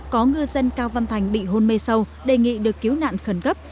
có ngư dân cao văn thành bị hôn mê sâu đề nghị được cứu nạn khẩn cấp